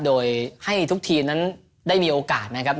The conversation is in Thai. โดยให้ทุกทีมนั้นได้มีโอกาสนะครับ